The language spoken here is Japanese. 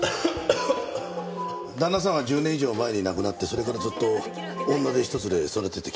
旦那さんは１０年以上前に亡くなってそれからずっと女手ひとつで育ててきたそうだ。